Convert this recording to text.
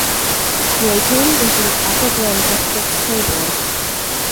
Drayton is in the Upper Grand District School Board.